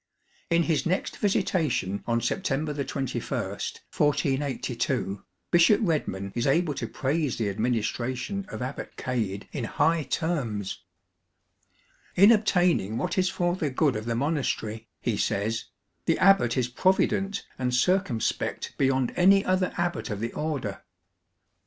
In his next visitation on September 21, 1482, Bishop Redman is able to praise the administration of Abbot Cade in high terms. " In obtaining what is for the good of the monastery," he says, " the abbot is provident and circumspect beyond any other abbot of the Order."